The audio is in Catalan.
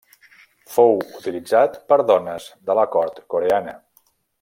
Fou utilitzat per dones de la Cort coreana.